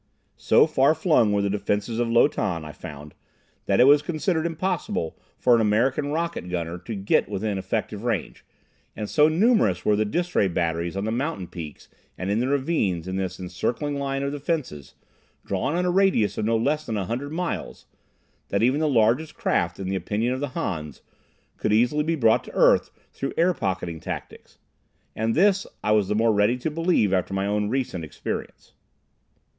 So far flung were the defenses of Lo Tan, I found, that it was considered impossible for an American rocket gunner to get within effective range, and so numerous were the dis ray batteries on the mountain peaks and in the ravines, in this encircling line of defenses, drawn on a radius of no less than 100 miles, that even the largest craft, in the opinion of the Hans, could easily be brought to earth through air pocketing tactics. And this, I was the more ready to believe after my own recent experience.